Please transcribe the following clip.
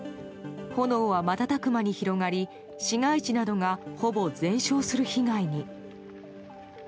炎は瞬く間に広がり市街地などがほぼ全焼する被害に。